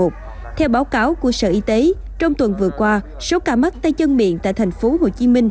theo báo cáo của sở y tế trong tuần vừa qua số ca mắc tay chân miệng tại tp hcm